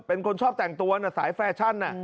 เป็นคนชอบแต่งตัวนะสายแฟชั่น